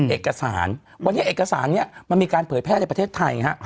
เอกสารวันนี้เอกสารนี้มันมีการเผยแพร่ในประเทศไทยฮะ